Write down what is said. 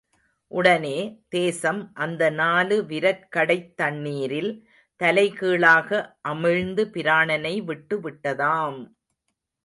உடனே, தேசம் அந்த நாலு விரற்கடைத் தண்ணீரில் தலை கீழாக அமிழ்ந்து பிராணனை விட்டுவிட்டதாம்!